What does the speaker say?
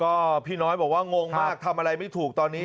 ก็พี่น้อยบอกว่างงมากทำอะไรไม่ถูกตอนนี้